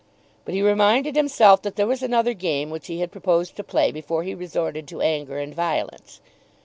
But he reminded himself that there was another game which he had proposed to play before he resorted to anger and violence.